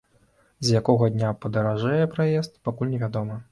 З якога дня падаражэе праезд, пакуль не вядома.